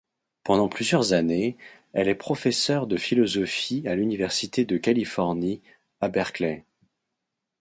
Pendant plusieurs années, elle est professeure de philosophie à l'université de Californie à Berkeley.